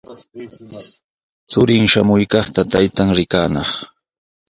Churin shamuykaqta taytan rikanaq.